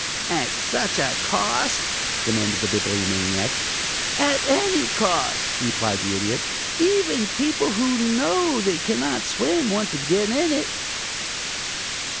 "At such a cost?" demanded the Bibliomaniac. "At any cost," replied the Idiot. "Even people who know they can not swim want to get in it."